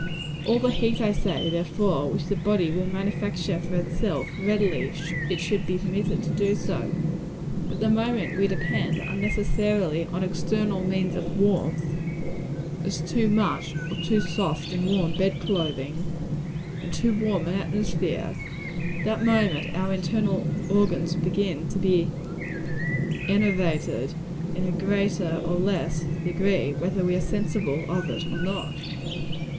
All the heat, I say, therefore, which the body will manufacture for itself, readily, it should be permitted to do. But the moment we depend, unnecessarily, on external means of warmth as too much or too soft and warm bed clothing, and too warm an atmosphere that moment our internal organs begin to be enervated, in a greater or less degree, whether we are sensible of it or not.